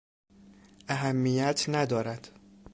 اهمیت ندارد.